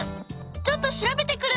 ちょっと調べてくる！